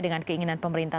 dengan keinginan pemerintah